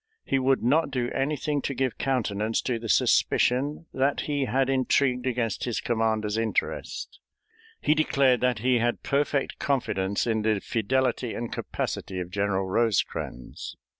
He would not do anything to give countenance to the suspicion that he had intrigued against his commander's interest. He declared that he had perfect confidence in the fidelity and capacity of General Rosecrans.